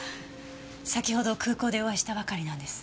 先ほど空港でお会いしたばかりなんです。